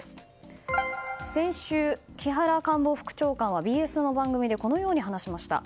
先週、木原官房副長官はＢＳの番組でこのように話しました。